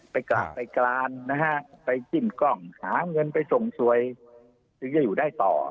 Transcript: กลับไปกลางนะฮะไปจิ้มกล้องหาเงินไปส่งสวยถึงจะอยู่ได้ต่อ